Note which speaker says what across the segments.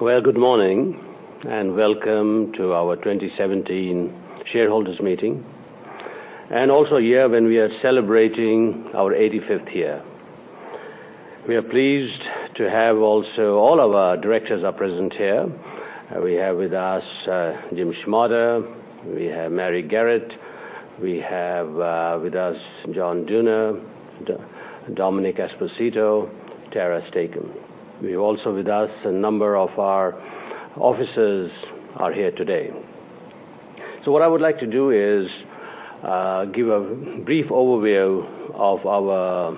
Speaker 1: Good morning, and welcome to our 2017 shareholders meeting, also a year when we are celebrating our 85th year. We are pleased to have also all of our directors are present here. We have with us Jim Schmotter, we have Mary Garrett, we have with us John Dooner, Domenick Esposito, Tara Stacom. We've also with us, a number of our officers are here today. What I would like to do is give a brief overview of our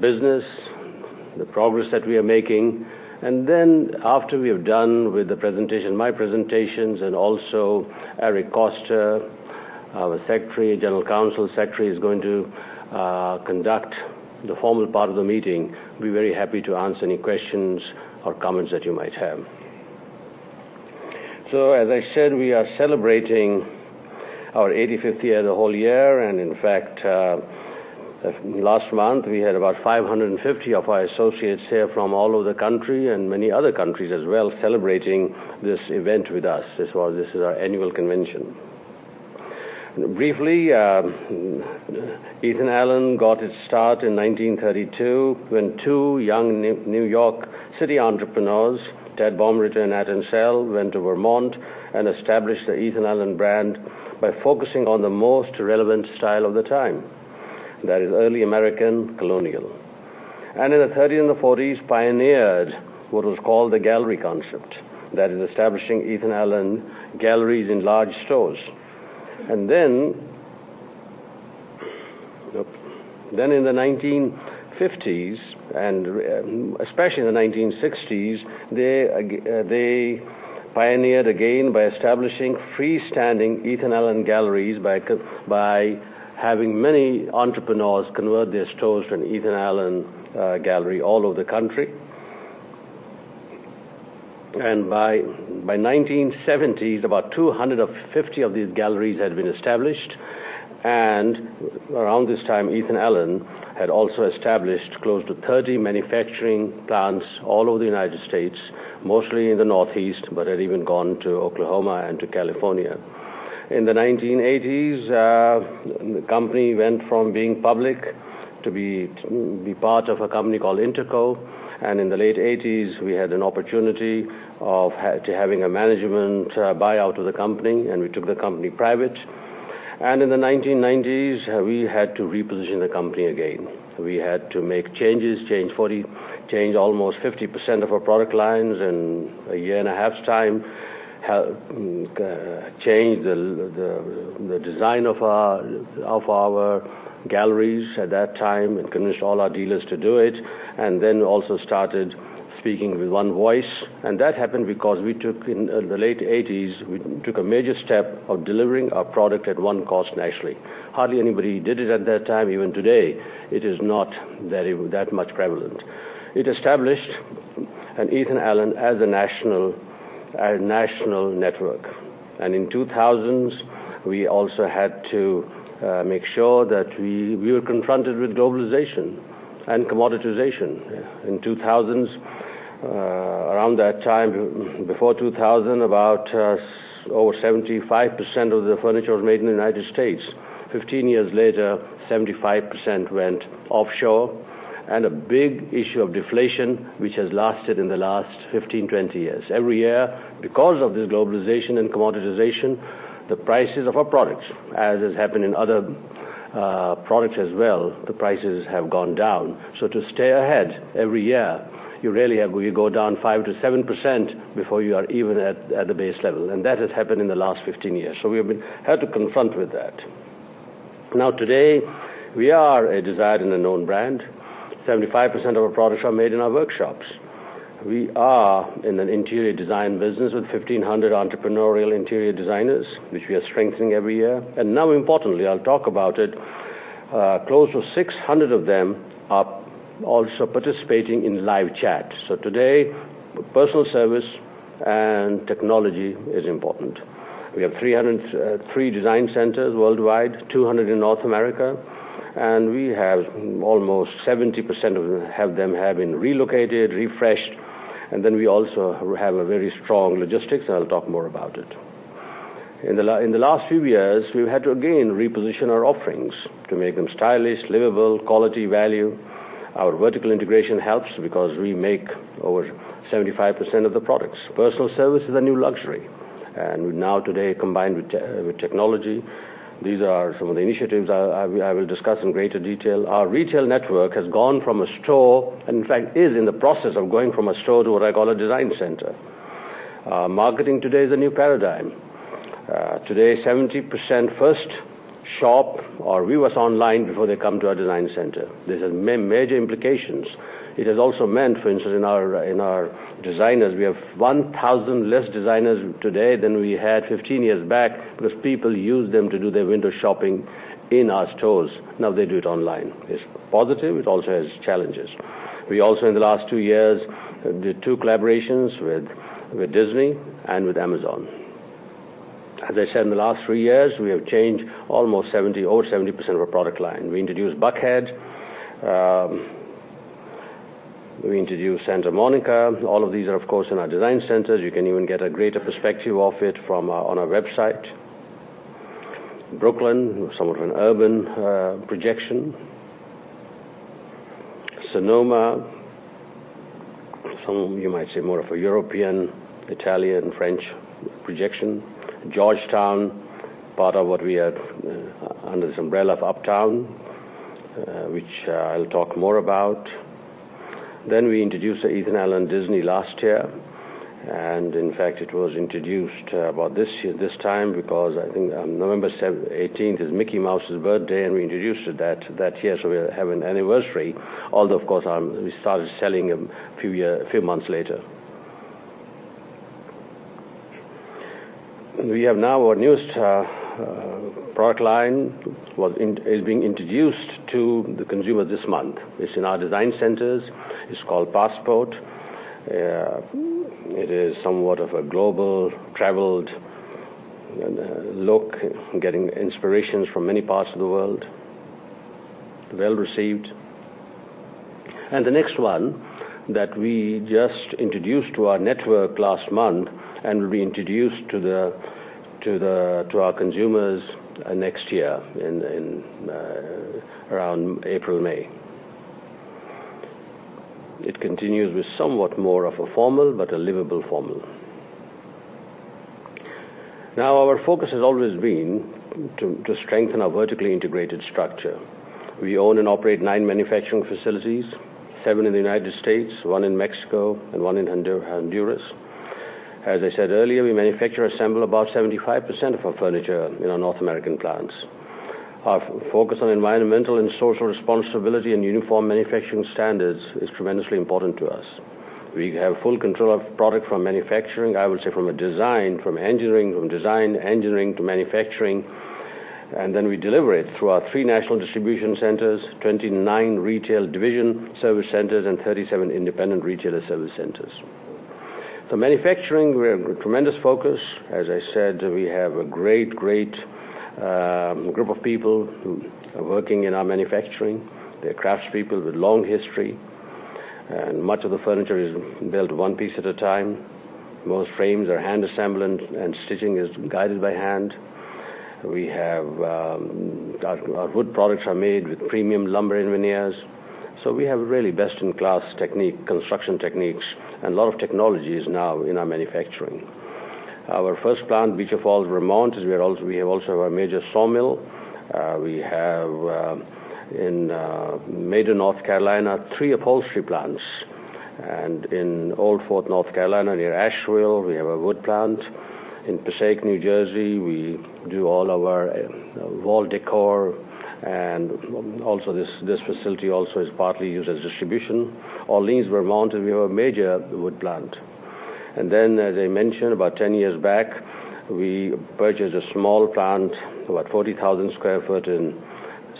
Speaker 1: business, the progress that we are making, and then after we are done with my presentations, and also Eric Koster, our General Counsel Secretary, is going to conduct the formal part of the meeting. We'll be very happy to answer any questions or comments that you might have. As I said, we are celebrating our 85th year the whole year, and in fact, last month, we had about 550 of our associates here from all over the country and many other countries as well, celebrating this event with us. This was our annual convention. Briefly, Ethan Allen got its start in 1932 when two young New York City entrepreneurs, Ted Baumritter and Nathan Ancell, went to Vermont and established the Ethan Allen brand by focusing on the most relevant style of the time. That is early American colonial. In the '30s and the '40s, pioneered what was called the gallery concept. That is establishing Ethan Allen galleries in large stores. Then in the 1950s, and especially in the 1960s, they pioneered again by establishing freestanding Ethan Allen galleries by having many entrepreneurs convert their stores from Ethan Allen Gallery all over the country. By 1970s, about 250 of these galleries had been established, and around this time, Ethan Allen had also established close to 30 manufacturing plants all over the U.S., mostly in the Northeast, but had even gone to Oklahoma and to California. In the 1980s, the company went from being public to be part of a company called Interco. In the late '80s, we had an opportunity to having a management buyout of the company, and we took the company private. In the 1990s, we had to reposition the company again. We had to make changes, change almost 50% of our product lines in a year and a half's time, change the design of our galleries at that time, and convinced all our dealers to do it, and then also started speaking with one voice. That happened because in the late '80s, we took a major step of delivering our product at one cost nationally. Hardly anybody did it at that time. Even today, it is not that much prevalent. It established an Ethan Allen as a national network. In 2000s, we were confronted with globalization and commoditization. In 2000s, around that time, before 2000, about over 75% of the furniture was made in the U.S. 15 years later, 75% went offshore, and a big issue of deflation, which has lasted in the last 15-20 years. Every year, because of this globalization and commoditization, the prices of our products, as has happened in other products as well, the prices have gone down. To stay ahead, every year, you go down 5%-7% before you are even at the base level. That has happened in the last 15 years. We have had to confront with that. Today, we are a desired and a known brand. 75% of our products are made in our workshops. We are in an interior design business with 1,500 entrepreneurial interior designers, which we are strengthening every year. Importantly, I'll talk about it, close to 600 of them are also participating in live chat. Today, personal service and technology is important. We have 303 design centers worldwide, 200 in North America, and we have almost 70% of them have been relocated, refreshed. We also have a very strong logistics. I'll talk more about it. In the last few years, we've had to again reposition our offerings to make them stylish, livable, quality, value. Our vertical integration helps because we make over 75% of the products. Personal service is a new luxury. Today, combined with technology, these are some of the initiatives I will discuss in greater detail. Our retail network has gone from a store, and in fact, is in the process of going from a store to what I call a design center. Marketing today is a new paradigm. Today, 70% first shop or view us online before they come to our design center. This has major implications. It has also meant, for instance, in our designers, we have 1,000 less designers today than we had 15 years back because people used them to do their window shopping in our stores. Now they do it online. It's positive, it also has challenges. We also, in the last two years, did two collaborations with Disney and with Amazon. As I said, in the last three years, we have changed over 70% of our product line. We introduced Buckhead. We introduced Santa Monica. All of these are, of course, in our design centers. You can even get a greater perspective of it from our website. Brooklyn, somewhat of an urban projection. Sonoma, some you might say more of a European, Italian, French projection. Georgetown, part of what we had under this umbrella of Uptown, which I'll talk more about. We introduced the Ethan Allen Disney last year, and in fact, it was introduced about this time because I think November 18th is Mickey Mouse's birthday, and we introduced it that year. We have an anniversary. Although, of course, we started selling him a few months later. We have now our newest product line is being introduced to the consumer this month. It's in our design centers. It's called Passport. It is somewhat of a global, traveled look, getting inspirations from many parts of the world. Well-received. The next one that we just introduced to our network last month and will be introduced to our consumers next year in around April, May. It continues with somewhat more of a formal, but a livable formal. Our focus has always been to strengthen our vertically integrated structure. We own and operate nine manufacturing facilities, seven in the U.S., one in Mexico, and one in Honduras. As I said earlier, we manufacture and assemble about 75% of our furniture in our North American plants. Our focus on environmental and social responsibility and uniform manufacturing standards is tremendously important to us. We have full control of product from manufacturing, I would say from a design, from engineering, from design, engineering to manufacturing. Then we deliver it through our three national distribution centers, 29 retail division service centers, and 37 independent retailer service centers. The manufacturing, we have a tremendous focus. As I said, we have a great group of people who are working in our manufacturing. They're craftspeople with long history, and much of the furniture is built one piece at a time. Most frames are hand-assembled, and stitching is guided by hand. Our wood products are made with premium lumber and veneers. We have really best-in-class construction techniques, and a lot of technology is now in our manufacturing. Our first plant, Beecher Falls, Vermont, we have also our major sawmill. We have in Maiden, North Carolina, three upholstery plants. In Old Fort, North Carolina, near Asheville, we have a wood plant. In Passaic, New Jersey, we do all our wall decor, and also this facility also is partly used as distribution. Orleans, Vermont, we have a major wood plant. Then, as I mentioned, about 10 years back, we purchased a small plant, about 40,000 sq ft in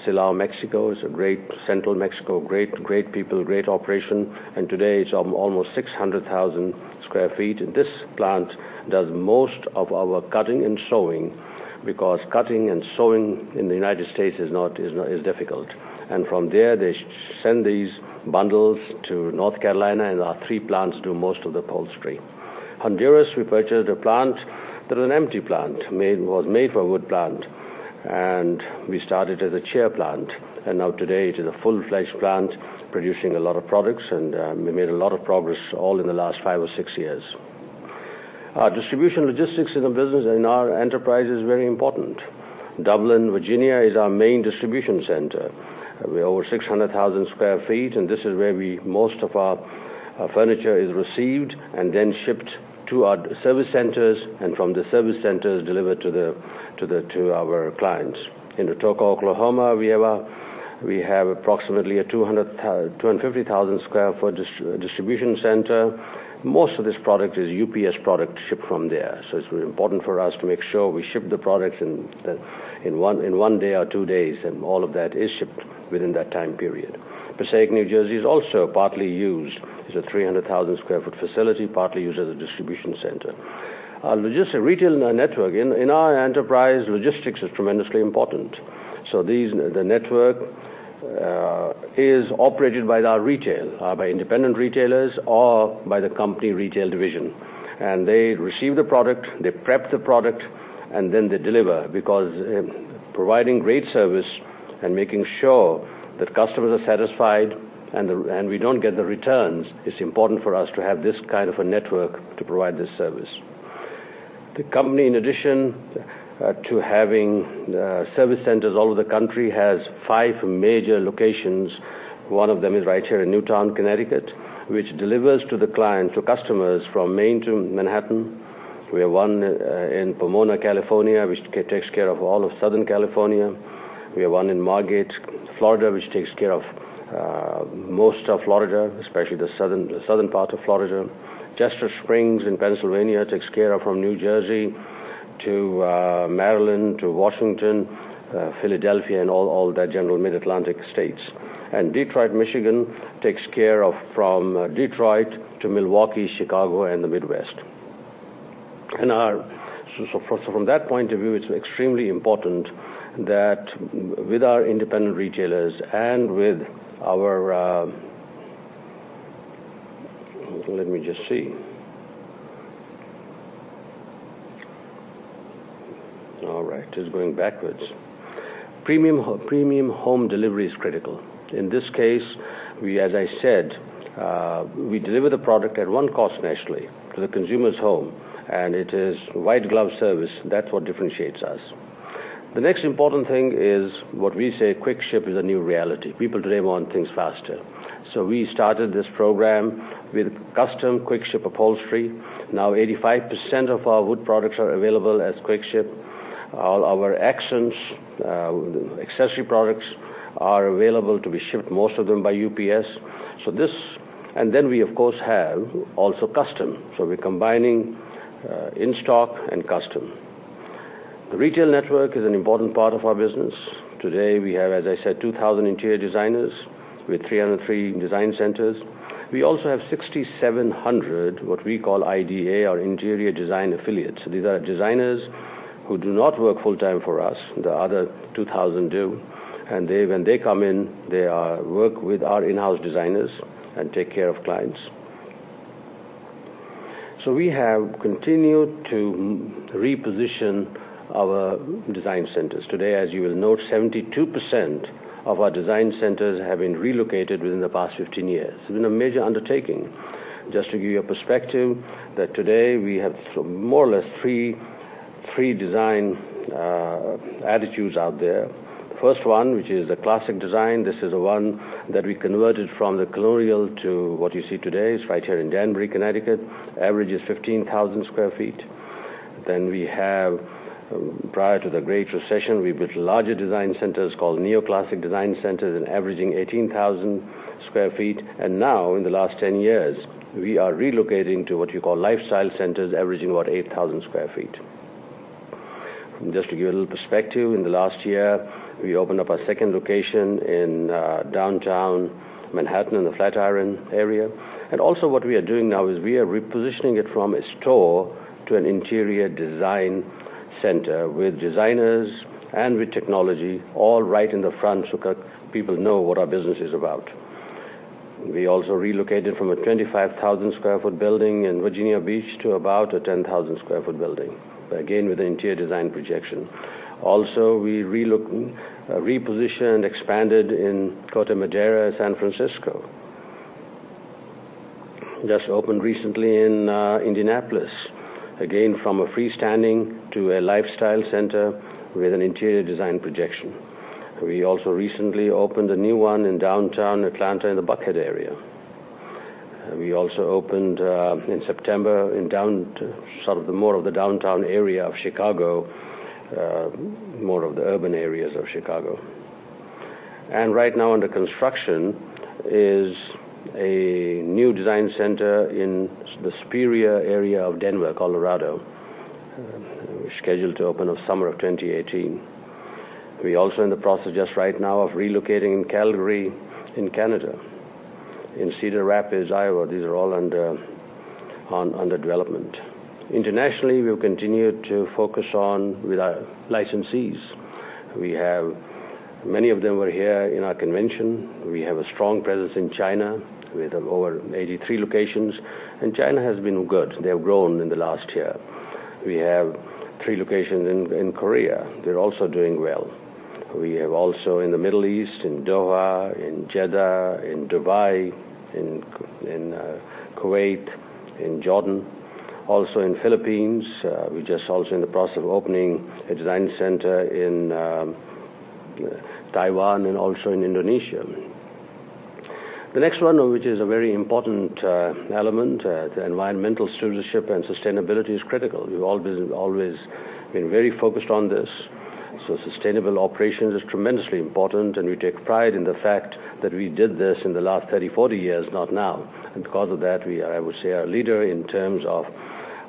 Speaker 1: Silao, Mexico. It's a great, central Mexico, great people, great operation. Today, it's almost 600,000 sq ft. This plant does most of our cutting and sewing because cutting and sewing in the United States is difficult. From there, they send these bundles to North Carolina. Our three plants do most of the upholstery. Honduras, we purchased a plant that was an empty plant, was made for a wood plant. We started as a chair plant. Now today, it is a full-fledged plant producing a lot of products. We made a lot of progress all in the last five or six years. Our distribution logistics in the business in our enterprise is very important. Dublin, Virginia, is our main distribution center. We're over 600,000 sq ft, and this is where most of our furniture is received and then shipped to our service centers. From the service centers, delivered to our clients. In Atoka, Oklahoma, we have approximately a 250,000 sq ft distribution center. Most of this product is UPS product shipped from there. It's very important for us to make sure we ship the products in one day or two days, and all of that is shipped within that time period. Passaic, New Jersey, is also partly used. It's a 300,000 sq ft facility, partly used as a distribution center. Our logistics retail network, in our enterprise, logistics is tremendously important. The network is operated by our retail, by independent retailers or by the company retail division. They receive the product, they prep the product. Then they deliver because providing great service and making sure that customers are satisfied and we don't get the returns, it's important for us to have this kind of a network to provide this service. The company, in addition to having service centers all over the country, has five major locations. One of them is right here in Newtown, Connecticut, which delivers to the client, to customers from Maine to Manhattan. We have one in Pomona, California, which takes care of all of Southern California. We have one in Margate, Florida, which takes care of most of Florida, especially the southern part of Florida. Chester Springs in Pennsylvania takes care of from New Jersey to Maryland, to Washington, Philadelphia, and all that general Mid-Atlantic states. Detroit, Michigan takes care of from Detroit to Milwaukee, Chicago, and the Midwest. From that point of view, it's extremely important that with our independent retailers and with our Let me just see. All right, it's going backwards. Premium home delivery is critical. In this case, as I said, we deliver the product at one cost nationally to the consumer's home, and it is white glove service. That's what differentiates us. The next important thing is what we say, Quick Ship is a new reality. People today want things faster. We started this program with custom Quick Ship upholstery. Now 85% of our wood products are available as Quick Ship. All our accents, accessory products are available to be shipped, most of them by UPS. We, of course, have also custom. We're combining in-stock and custom. The retail network is an important part of our business. Today, we have, as I said, 1,500 interior designers with 303 design centers. We also have 6,700, what we call IDA, or Interior Design Affiliates. These are designers who do not work full-time for us. The other 2,000 do. When they come in, they work with our in-house designers and take care of clients. We have continued to reposition our design centers. Today, as you will note, 72% of our design centers have been relocated within the past 15 years. It's been a major undertaking. Just to give you a perspective that today we have more or less three design attitudes out there. The first one, which is the classic design, this is the one that we converted from the colonial to what you see today. It's right here in Danbury, Connecticut, average is 15,000 sq ft. We have, prior to the great recession, we built larger design centers called Neoclassic Design Centers, averaging 18,000 sq ft. Now, in the last 10 years, we are relocating to what you call lifestyle centers, averaging about 8,000 sq ft. Just to give you a little perspective, in the last year, we opened up our second location in downtown Manhattan in the Flatiron area. Also what we are doing now is we are repositioning it from a store to an interior design center with designers and with technology all right in the front so people know what our business is about. We also relocated from a 25,000 sq ft building in Virginia Beach to about a 10,000 sq ft building, again, with interior design projection. Also, we repositioned and expanded in Corte Madera, San Francisco. Just opened recently in Indianapolis. Again, from a freestanding to a lifestyle center with an interior design projection. We also recently opened a new one in downtown Atlanta in the Buckhead area. We also opened, in September, in more of the downtown area of Chicago, more of the urban areas of Chicago. Right now under construction is a new design center in the Superior area of Denver, Colorado, scheduled to open in summer of 2018. We're also in the process just right now of relocating in Calgary, in Canada, in Cedar Rapids, Iowa. These are all under development. Internationally, we've continued to focus on with our licensees. Many of them were here in our convention. We have a strong presence in China. We have over 83 locations. China has been good. They've grown in the last year. We have three locations in Korea. They're also doing well. We have also in the Middle East, in Doha, in Jeddah, in Dubai, in Kuwait, in Jordan, also in the Philippines. We're just also in the process of opening a design center in Taiwan and also in Indonesia. The next one, which is a very important element, the environmental stewardship and sustainability is critical. We've always been very focused on this. Sustainable operations is tremendously important, and we take pride in the fact that we did this in the last 30, 40 years, not now. Because of that, I would say our leader in terms of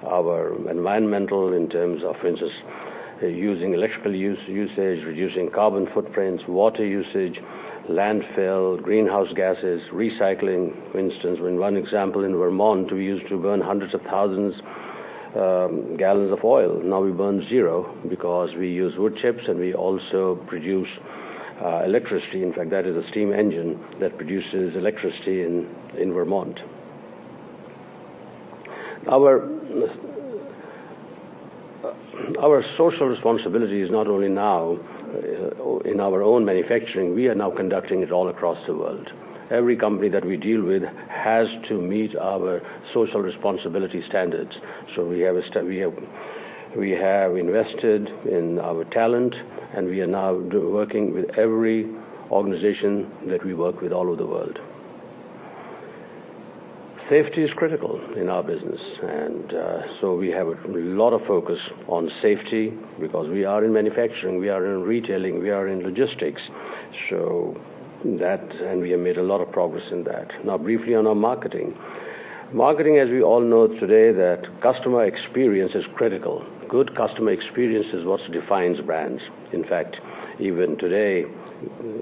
Speaker 1: our environmental, in terms of, for instance, using electrical usage, reducing carbon footprints, water usage, landfill, greenhouse gases, recycling. For instance, one example in Vermont, we used to burn hundreds of thousands gallons of oil. Now we burn zero because we use wood chips, and we also produce electricity. In fact, that is a steam engine that produces electricity in Vermont. Our social responsibility is not only now in our own manufacturing, we are now conducting it all across the world. Every company that we deal with has to meet our social responsibility standards. We have invested in our talent, and we are now working with every organization that we work with all over the world. Safety is critical in our business, we have a lot of focus on safety because we are in manufacturing, we are in retailing, we are in logistics. We have made a lot of progress in that. Now, briefly on our marketing. Marketing, as we all know today, that customer experience is critical. Good customer experience is what defines brands. In fact, even today,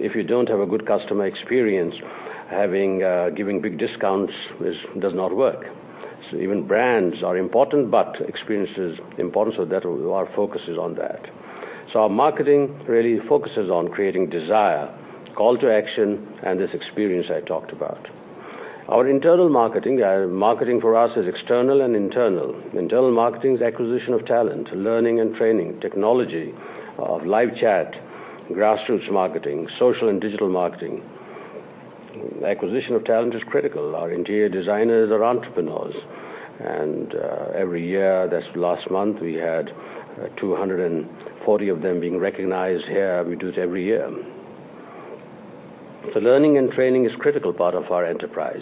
Speaker 1: if you don't have a good customer experience, giving big discounts does not work. Even brands are important, but experience is important, so our focus is on that. Our marketing really focuses on creating desire, call to action, and this experience I talked about. Our internal marketing for us is external and internal. Internal marketing is acquisition of talent, learning and training, technology, live chat, grassroots marketing, social and digital marketing. Acquisition of talent is critical. Our interior designers are entrepreneurs, and every year, this last month, we had 240 of them being recognized here. We do it every year. Learning and training is critical part of our enterprise.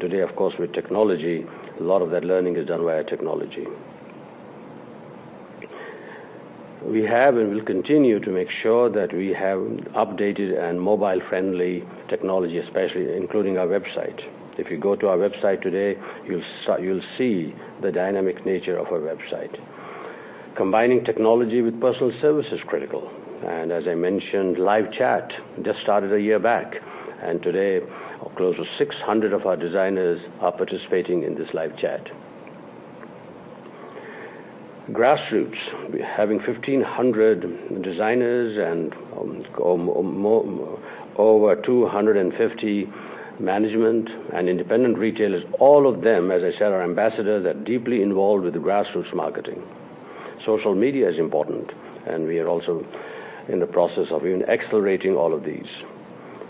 Speaker 1: Today, of course, with technology, a lot of that learning is done via technology. We have and will continue to make sure that we have updated and mobile-friendly technology, especially including our website. If you go to our website today, you'll see the dynamic nature of our website. Combining technology with personal service is critical. As I mentioned, live chat just started a year back, and today close to 600 of our designers are participating in this live chat. Grassroots, we're having 1,500 designers and over 250 management and independent retailers. All of them, as I said, are ambassadors that are deeply involved with the grassroots marketing. Social media is important, we are also in the process of even accelerating all of these.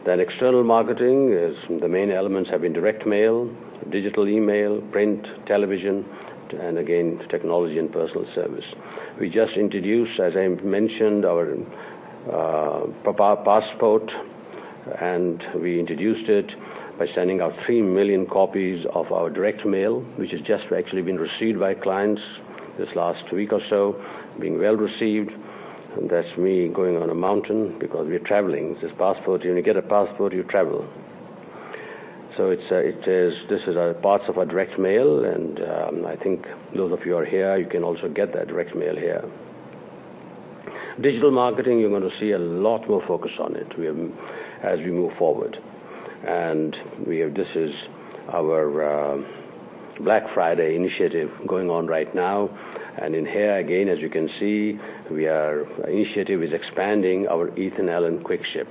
Speaker 1: External marketing is, the main elements have been direct mail, digital email, print, television, and again, technology and personal service. We just introduced, as I mentioned, our Passport, we introduced it by sending out 3 million copies of our direct mail, which has just actually been received by clients this last week or so, being well-received. That's me going on a mountain because we're traveling. With this Passport, when you get a Passport, you travel. This is a part of our direct mail, and I think those of you who are here, you can also get that direct mail here. Digital marketing, you're going to see a lot more focus on it as we move forward. This is our Black Friday initiative going on right now. In here, again, as you can see, our initiative is expanding our Ethan Allen Quick Ship.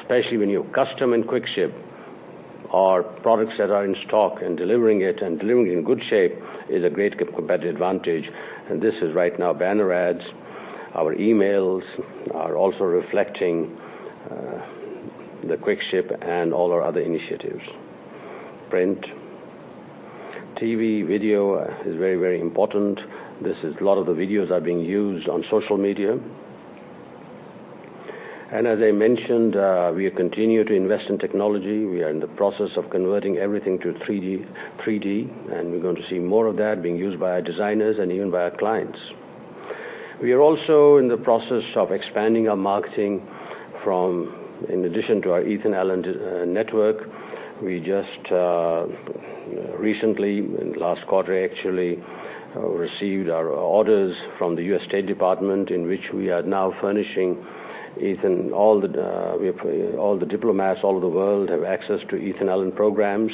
Speaker 1: Especially when you custom in Quick Ship our products that are in stock, and delivering it in good shape is a great competitive advantage. This is right now banner ads. Our emails are also reflecting the Quick Ship and all our other initiatives. Print. TV, video is very, very important. A lot of the videos are being used on social media. As I mentioned, we continue to invest in technology. We are in the process of converting everything to 3D, and we're going to see more of that being used by our designers and even by our clients. We are also in the process of expanding our marketing from, in addition to our Ethan Allen network, we just recently, in last quarter actually, received our orders from the U.S. Department of State, in which we are now furnishing Ethan. All the diplomats, all over the world have access to Ethan Allen programs,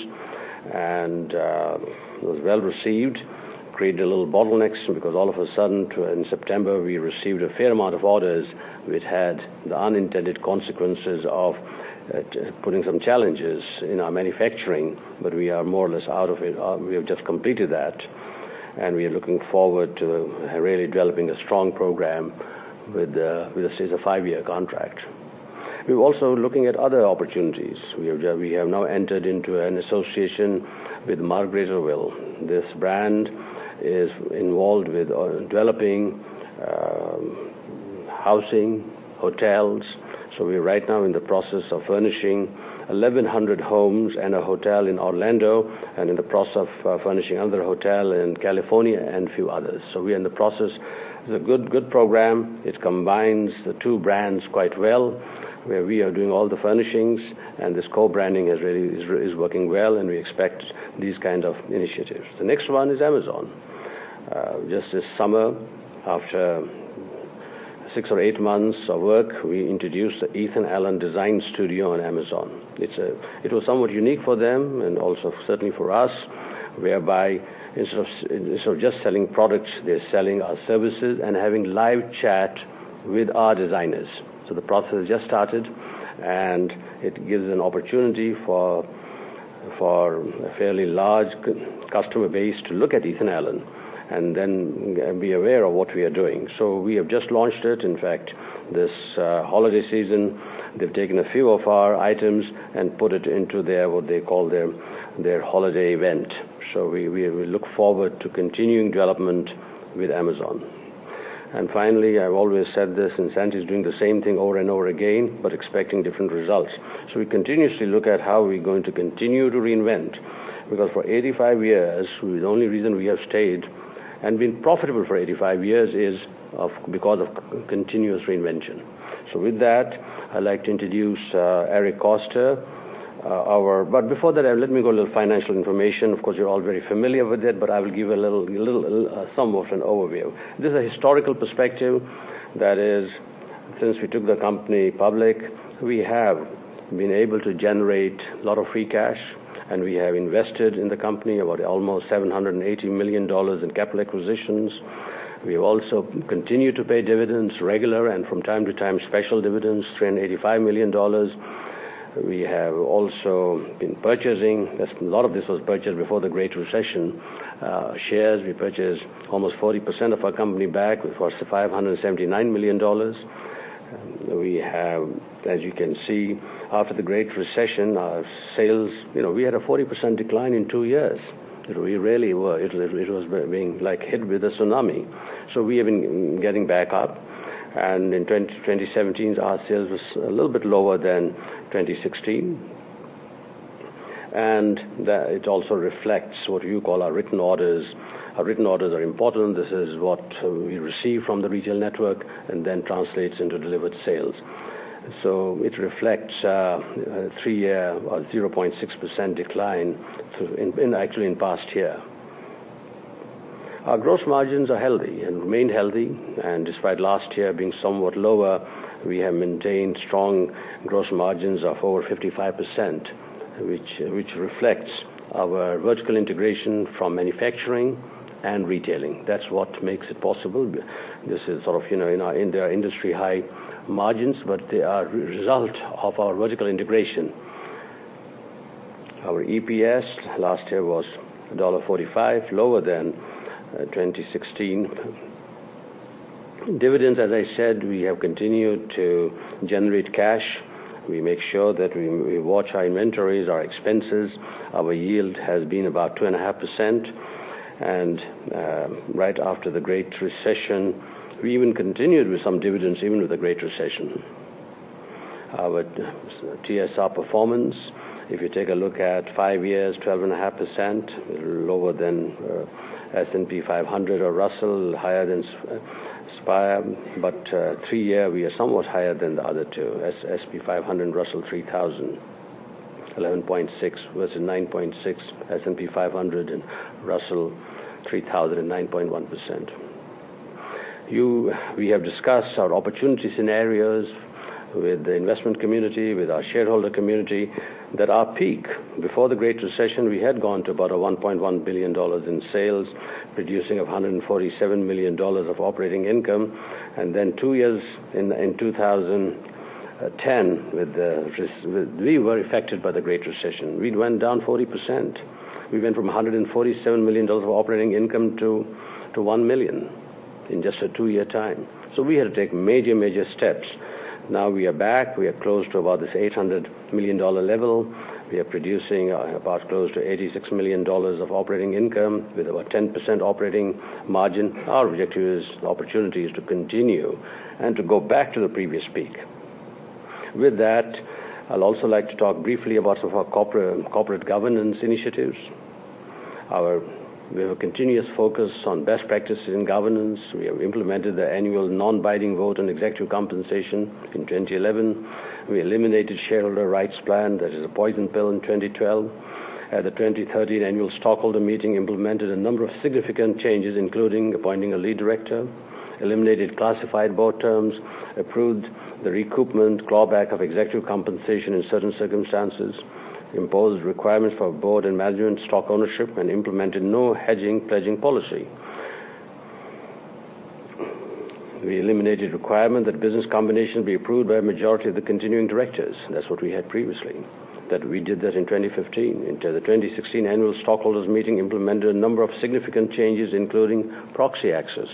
Speaker 1: it was well-received. Created a little bottleneck because all of a sudden, in September, we received a fair amount of orders, which had the unintended consequences of putting some challenges in our manufacturing, we are more or less out of it. We have just completed that, and we are looking forward to really developing a strong program with a 5-year contract. We're also looking at other opportunities. We have now entered into an association with Margaritaville. This brand is involved with developing housing, hotels. We're right now in the process of furnishing 1,100 homes and a hotel in Orlando, and in the process of furnishing another hotel in California and a few others. We are in the process. It's a good program. It combines the two brands quite well, where we are doing all the furnishings, this co-branding is working well, we expect these kinds of initiatives. The next one is Amazon. Just this summer, after 6 or 8 months of work, we introduced the Ethan Allen Design Studio on Amazon. It was somewhat unique for them and also certainly for us, whereby instead of just selling products, they're selling our services and having live chat with our designers. The process has just started, and it gives an opportunity for a fairly large customer base to look at Ethan Allen and then be aware of what we are doing. We have just launched it. In fact, this holiday season, they've taken a few of our items and put it into their, what they call their holiday event. We look forward to continuing development with Amazon. Finally, I've always said this, insanity is doing the same thing over and over again, but expecting different results. We continuously look at how we're going to continue to reinvent, because for 85 years, the only reason we have stayed and been profitable for 85 years is because of continuous reinvention. With that, I'd like to introduce Eric Koster. Before that, let me go a little financial information. Of course, you're all very familiar with it, but I will give a little sum of an overview. This is a historical perspective. That is, since we took the company public, we have been able to generate a lot of free cash, and we have invested in the company about almost $780 million in capital acquisitions. We have also continued to pay dividends regular, and from time to time, special dividends, $385 million. We have also been purchasing. A lot of this was purchased before the Great Recession. Shares, we purchased almost 40% of our company back. It cost $579 million. We have, as you can see, after the Great Recession, our sales, we had a 40% decline in two years. We really were. It was being hit with a tsunami. We have been getting back up, and in 2017, our sales was a little bit lower than 2016. It also reflects what you call our written orders. Our written orders are important. This is what we receive from the retail network and then translates into delivered sales. It reflects a three-year, 0.6% decline actually in past year. Our gross margins are healthy and remain healthy, and despite last year being somewhat lower, we have maintained strong gross margins of over 55%, which reflects our vertical integration from manufacturing and retailing. That's what makes it possible. This is in their industry high margins, but they are result of our vertical integration. Our EPS last year was $1.45, lower than 2016. Dividends, as I said, we have continued to generate cash. We make sure that we watch our inventories, our expenses. Our yield has been about 2.5%. Right after the Great Recession, we even continued with some dividends, even with the Great Recession. Our TSR performance, if you take a look at five years, 12.5%, lower than S&P 500 or Russell, higher than SPI, but three year, we are somewhat higher than the other two, S&P 500 and Russell 3000. 11.6% versus 9.6%, S&P 500, and Russell 3000, 9.1%. We have discussed our opportunity scenarios with the investment community, with our shareholder community, that our peak, before the Great Recession, we had gone to about a $1.1 billion in sales, producing $147 million of operating income. Then two years in 2010, we were affected by the Great Recession. We went down 40%. We went from $147 million of operating income to $1 million in just a two-year time. We had to take major steps. Now we are back. We are close to about this $800 million level. We are producing about close to $86 million of operating income with over 10% operating margin. Our objective is the opportunity is to continue and to go back to the previous peak. With that, I'll also like to talk briefly about some of our corporate governance initiatives. We have a continuous focus on best practices in governance. We have implemented the annual non-binding vote on executive compensation in 2011. We eliminated shareholder rights plan, that is a poison pill, in 2012. At the 2013 annual stockholder meeting, implemented a number of significant changes, including appointing a lead director, eliminated classified board terms, approved the recoupment clawback of executive compensation in certain circumstances, imposed requirements for board and management stock ownership, and implemented no hedging/pledging policy. We eliminated requirement that business combination be approved by a majority of the continuing directors. That's what we had previously. We did that in 2015. The 2016 annual stockholders meeting implemented a number of significant changes, including proxy access,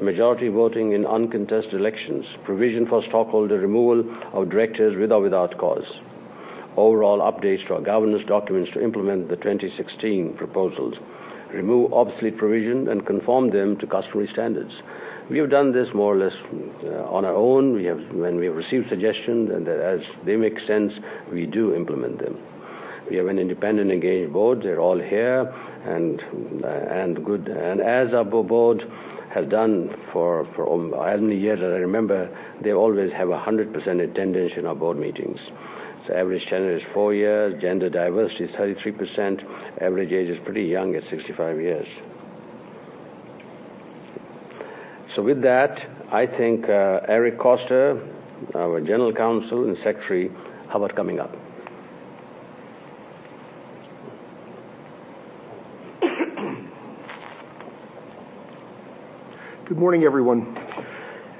Speaker 1: majority voting in uncontested elections, provision for stockholder removal of directors with or without cause. Overall updates to our governance documents to implement the 2016 proposals, remove obsolete provision and conform them to customary standards. We have done this more or less on our own. When we receive suggestions, as they make sense, we do implement them. We have an independent engaged board. They're all here, good. As our board have done for as many years as I remember, they always have 100% attendance in our board meetings. Average tenure is four years. Gender diversity is 33%. Average age is pretty young at 65 years. With that, I think Eric Koster, our General Counsel and Secretary, how about coming up?
Speaker 2: Good morning, everyone.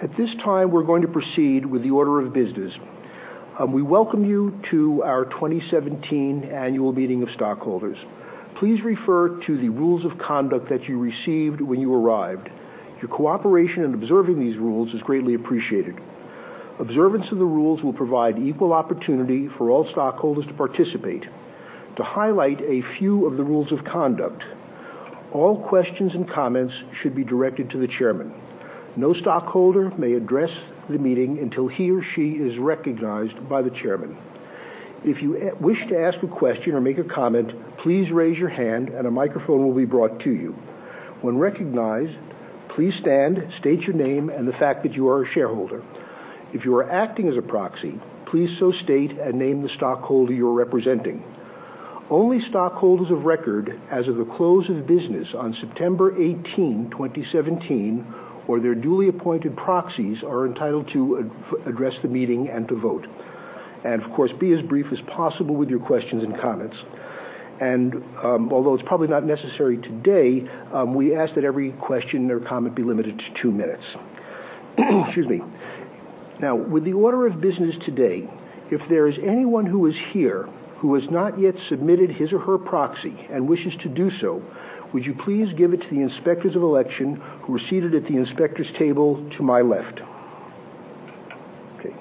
Speaker 2: At this time, we're going to proceed with the order of business. We welcome you to our 2017 annual meeting of stockholders. Please refer to the rules of conduct that you received when you arrived. Your cooperation in observing these rules is greatly appreciated. Observance of the rules will provide equal opportunity for all stockholders to participate. To highlight a few of the rules of conduct, all questions and comments should be directed to the chairman. No stockholder may address the meeting until he or she is recognized by the chairman. If you wish to ask a question or make a comment, please raise your hand and a microphone will be brought to you. When recognized, please stand, state your name, and the fact that you are a shareholder. If you are acting as a proxy, please so state and name the stockholder you're representing. Only stockholders of record as of the close of business on September 18, 2017, or their duly appointed proxies are entitled to address the meeting and to vote. Of course, be as brief as possible with your questions and comments. Although it's probably not necessary today, we ask that every question or comment be limited to two minutes. Excuse me. Now, with the order of business today, if there is anyone who is here who has not yet submitted his or her proxy and wishes to do so, would you please give it to the Inspectors of Election who are seated at the inspector's table to my left. Okay.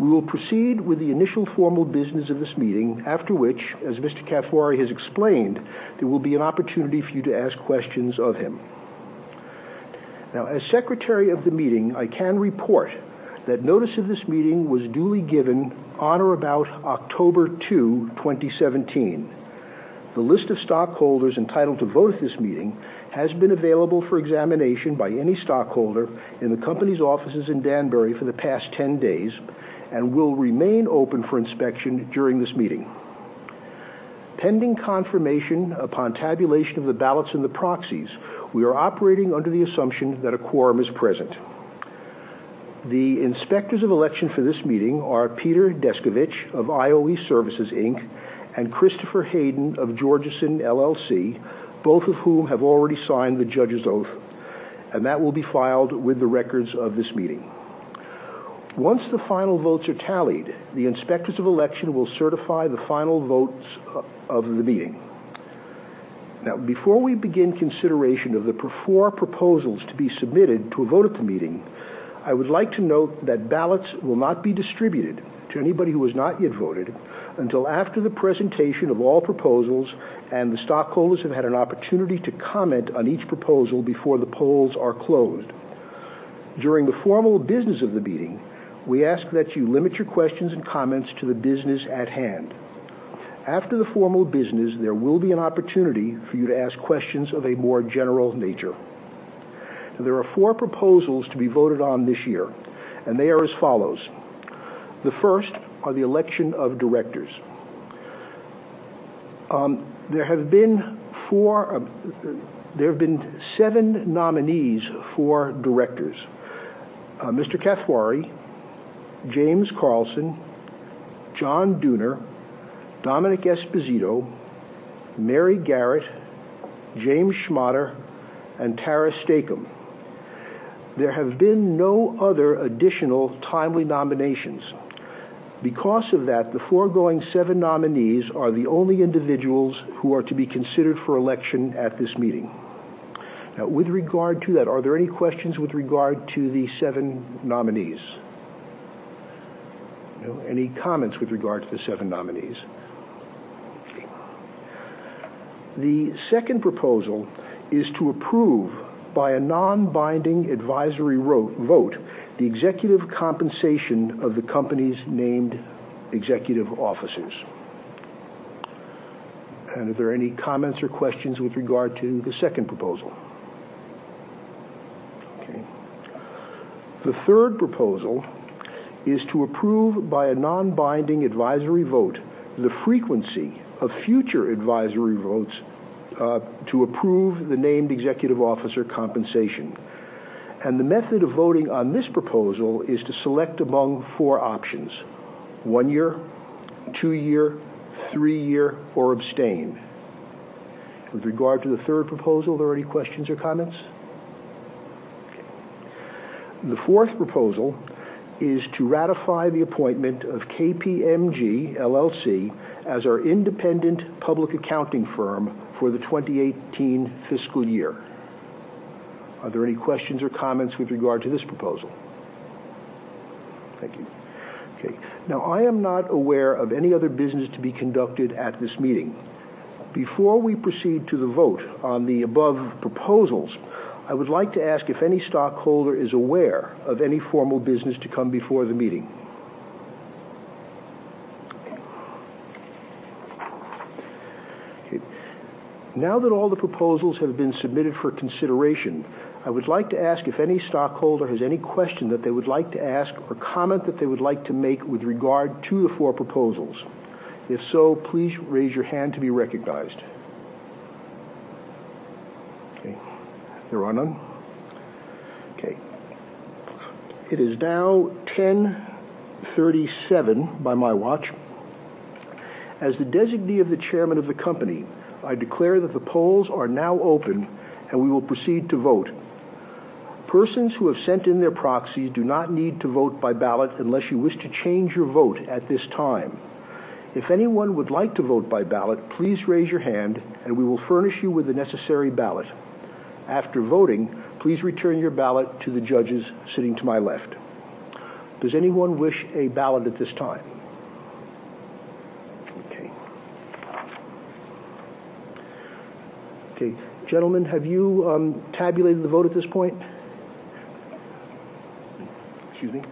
Speaker 2: We will proceed with the initial formal business of this meeting, after which, as Mr. Kathwari has explained, there will be an opportunity for you to ask questions of him. Now, as secretary of the meeting, I can report that notice of this meeting was duly given on or about October 2, 2017. The list of stockholders entitled to vote at this meeting has been available for examination by any stockholder in the company's offices in Danbury for the past 10 days and will remain open for inspection during this meeting. Pending confirmation upon tabulation of the ballots and the proxies, we are operating under the assumption that a quorum is present. The Inspectors of Election for this meeting are Peter Descovich of IOE Services, Inc., and Christopher Hayden of Georgeson LLC, both of whom have already signed the judge's oath, and that will be filed with the records of this meeting. Once the final votes are tallied, the Inspectors of Election will certify the final votes of the meeting. Now, before we begin consideration of the four proposals to be submitted to a vote at the meeting, I would like to note that ballots will not be distributed to anybody who has not yet voted until after the presentation of all proposals and the stockholders have had an opportunity to comment on each proposal before the polls are closed. During the formal business of the meeting, we ask that you limit your questions and comments to the business at hand. After the formal business, there will be an opportunity for you to ask questions of a more general nature. There are four proposals to be voted on this year, and they are as follows. The first are the election of directors. There have been seven nominees for directors, Mr. Kathwari, James Carlson, John Dooner, Domenick Esposito, Mary Garrett, James Schmotter, and Tara Stacom. There have been no other additional timely nominations. Because of that, the foregoing seven nominees are the only individuals who are to be considered for election at this meeting. Now, with regard to that, are there any questions with regard to the seven nominees? No. Any comments with regard to the seven nominees? Okay. The second proposal is to approve, by a non-binding advisory vote, the executive compensation of the company's named executive officers. Are there any comments or questions with regard to the second proposal? Okay. The third proposal is to approve, by a non-binding advisory vote, the frequency of future advisory votes to approve the named executive officer compensation. The method of voting on this proposal is to select among four options: one year, two year, three year, or abstain. With regard to the third proposal, are there any questions or comments? Okay. The fourth proposal is to ratify the appointment of KPMG LLP as our independent public accounting firm for the 2018 fiscal year. Are there any questions or comments with regard to this proposal? Thank you. Okay. Now, I am not aware of any other business to be conducted at this meeting. Before we proceed to the vote on the above proposals, I would like to ask if any stockholder is aware of any formal business to come before the meeting. Okay. Now that all the proposals have been submitted for consideration, I would like to ask if any stockholder has any question that they would like to ask or comment that they would like to make with regard to the four proposals. If so, please raise your hand to be recognized. Okay. There are none? Okay. It is now 10:37 A.M. by my watch. As the designee of the chairman of the company, I declare that the polls are now open and we will proceed to vote. Persons who have sent in their proxy do not need to vote by ballot unless you wish to change your vote at this time. If anyone would like to vote by ballot, please raise your hand and we will furnish you with the necessary ballot. After voting, please return your ballot to the judges sitting to my left. Does anyone wish a ballot at this time? Okay. Gentlemen, have you tabulated the vote at this point? Excuse me.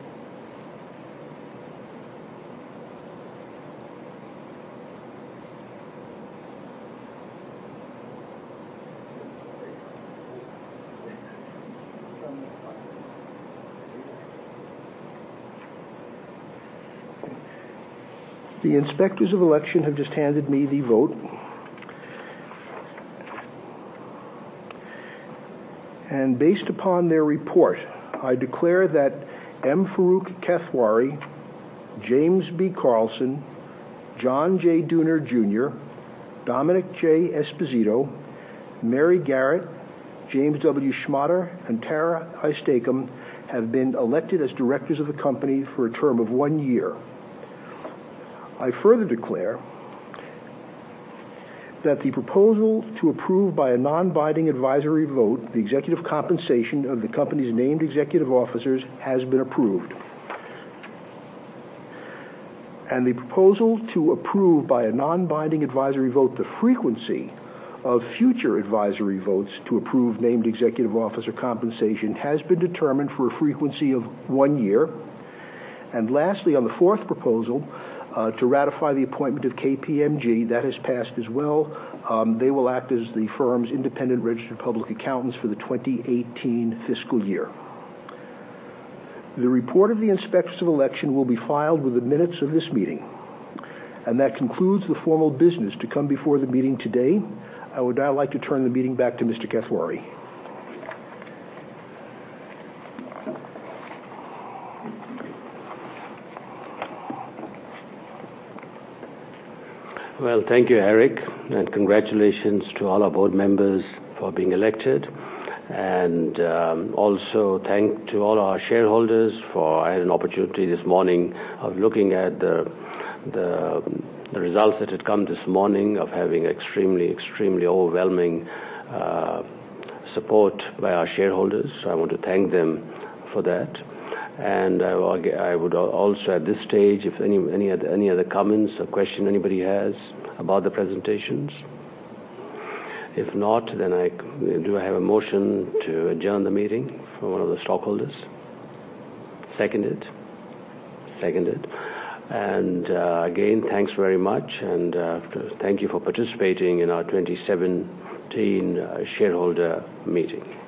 Speaker 2: The Inspectors of Election have just handed me the vote. Based upon their report, I declare that M. Farooq Kathwari, James B. Carlson, John J. Dooner Jr., Domenick J. Esposito, Mary Garrett, James W. Schmotter, and Tara I. Stacom have been elected as directors of the company for a term of one year. I further declare that the proposal to approve by a non-binding advisory vote the executive compensation of the company's named executive officers has been approved. The proposal to approve by a non-binding advisory vote the frequency of future advisory votes to approve named executive officer compensation has been determined for a frequency of one year. Lastly, on the fourth proposal, to ratify the appointment of KPMG, that has passed as well. They will act as the firm's independent registered public accountants for the 2018 fiscal year. The report of the Inspectors of Election will be filed with the minutes of this meeting. That concludes the formal business to come before the meeting today. I would now like to turn the meeting back to Mr. Kathwari.
Speaker 1: Well, thank you, Eric, congratulations to all our board members for being elected. Also thanks to all our shareholders. I had an opportunity this morning of looking at the results that had come this morning of having extremely overwhelming support by our shareholders. I want to thank them for that. I would also at this stage, if any other comments or questions anybody has about the presentations? If not, do I have a motion to adjourn the meeting from one of the stockholders? Seconded. Seconded. Again, thanks very much, and thank you for participating in our 2017 shareholder meeting.